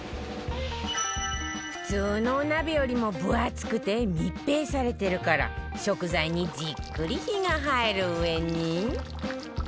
普通のお鍋よりも分厚くて密閉されてるから食材にじっくり火が入るうえに